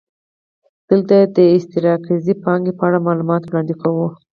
دلته د استقراضي پانګې په اړه معلومات وړاندې کوو